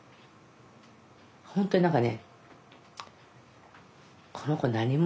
本当に何かね